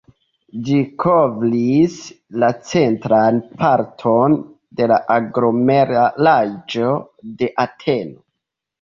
Ĝi kovris la centran parton de la aglomeraĵo de Ateno.